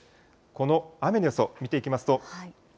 この雨の予想、見ていきますと。